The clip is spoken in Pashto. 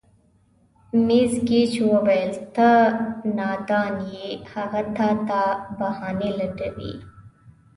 مېس ګېج وویل: ته نادان یې، هغه تا ته بهانې لټوي.